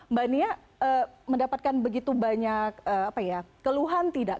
mbak nia mendapatkan begitu banyak apa ya keluhan tidak